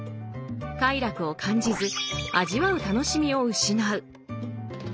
快楽を感じず味わう楽しみを失う。